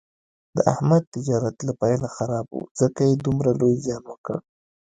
د احمد تجارت له پیله خراب و، ځکه یې دومره لوی زیان وکړ.